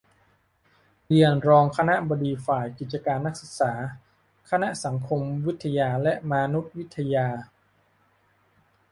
เรียน รองคณบดีฝ่ายกิจการนักศึกษา คณะสังคมวิทยาและมานุษยวิทยา